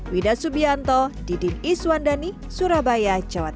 widah subianto didin iswandani surabaya cepat